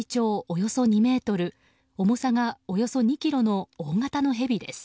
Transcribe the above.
およそ２ｍ重さがおよそ２ｋｇの大型のヘビです。